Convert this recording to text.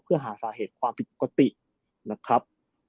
เพื่อหาสาเหตุความผิดปกตินะครับ